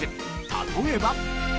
例えば。